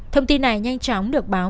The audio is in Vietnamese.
thông tin này nhanh chóng được báo